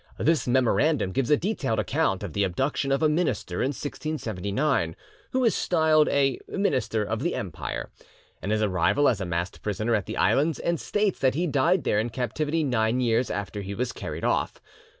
This memorandum gives a detailed account of the abduction of a minister in 1679, who is styled a "minister of the Empire," and his arrival as a masked prisoner at the islands, and states that he died there in captivity nine years after he was carried off.